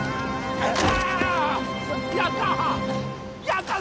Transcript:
やった！